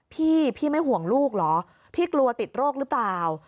พี่พี่ไม่ห่วงลูกเหรอพี่กลัวติดโรคหรือเปล่า